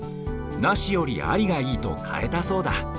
なしよりありがいいとかえたそうだ。